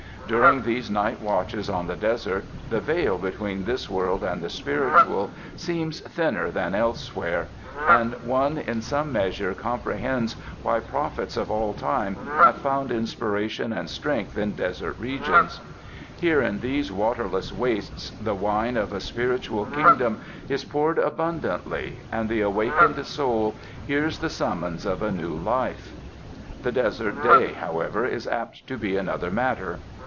During these night watches on the desert, the veil between this world and the spiritual seems thinner than elsewhere, and one in some measure comprehends why prophets of all time have found inspiration and strength in desert regions. Here in these waterless wastes, the wine of a spiritual kingdom is poured abundantly and the awakened soul hears the summons to a new life. The desert day, however, is apt to be another matter.